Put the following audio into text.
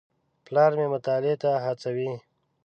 پلار مې مطالعې ته هڅوي.